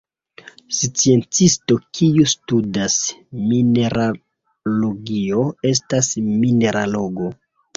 Sciencisto kiu studas mineralogio estas mineralogo.